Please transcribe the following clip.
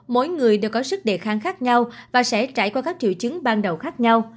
mỗi người đều có sức đề kháng khác nhau và sẽ trải qua các triệu chứng ban đầu khác nhau